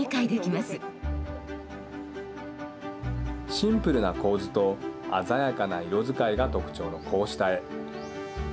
シンプルな構図と鮮やかな色使いが特徴のこうした絵。